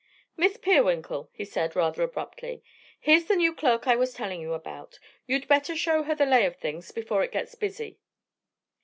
"Miss Peerwinkle," he said rather abruptly, "here's the new clerk I was telling you about. You'd better show her the lay of things before it gets busy."